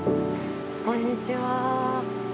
こんにちは。